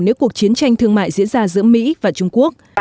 nếu cuộc chiến tranh thương mại diễn ra giữa mỹ và trung quốc